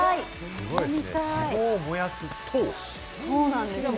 すごいですね。